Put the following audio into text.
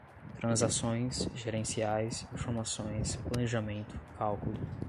transações, gerenciais, informações, planejamento, cálculo